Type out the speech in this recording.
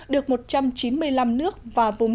được một trăm chín mươi năm nước và vùng